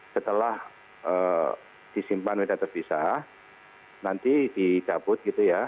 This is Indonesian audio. setelah disimpan media terpisah nanti dicabut gitu ya